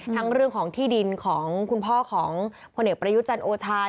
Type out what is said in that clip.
แล้วเรื่องของที่ดินของขุนพ่อพ่อเนื้อประยุทธ์จันทร์โอชาส